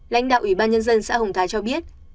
lãnh đạo ủy ban nhân dân xã hồng thái cho biết